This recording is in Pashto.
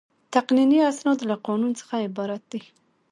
تقنیني اسناد له قانون څخه عبارت دي.